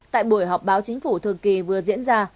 tại buổi họp báo chính phủ thường kỳ vừa diễn ra